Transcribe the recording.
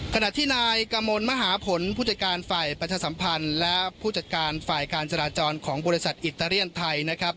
ขณะที่นายกมลมหาผลผู้จัดการฝ่ายประชาสัมพันธ์และผู้จัดการฝ่ายการจราจรของบริษัทอิตาเลียนไทยนะครับ